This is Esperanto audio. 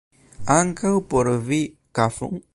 Ankaŭ por vi kafon?